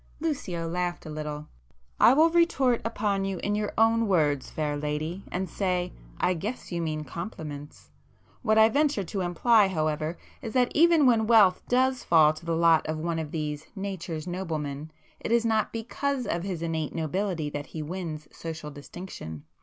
Lucio laughed a little— "I will retort upon you in your own words fair lady, and say 'I guess you mean compliments.' What I venture to imply however, is that even when wealth does fall to the lot of one of these 'Nature's noblemen,' it is not because of his innate nobility that he wins social distinction.